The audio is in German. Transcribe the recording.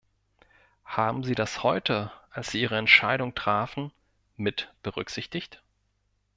Haben Sie das heute, als Sie ihre Entscheidung trafen, mit berücksichtigt?